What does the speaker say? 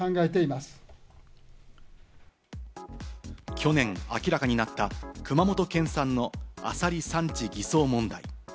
去年明らかになった熊本県産のアサリ産地偽装問題。